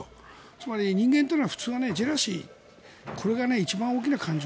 つまり人間っていうのは普通、ジェラシーこれが一番大きな感情。